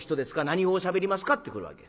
何語をしゃべりますか？」ってくるわけ。